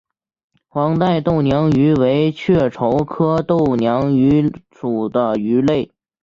黄带豆娘鱼为雀鲷科豆娘鱼属的鱼类。